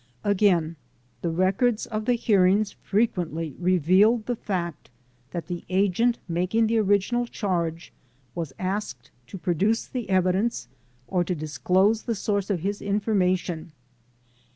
Again, the records of the hearings frequently revealed the fact that the agent making the original charge was asked to produce the evidence or to disclose the source of his information.